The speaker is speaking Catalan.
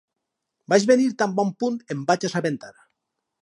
Vaig venir tan bon punt em vaig assabentar.